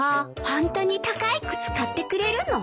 ホントに高い靴買ってくれるの？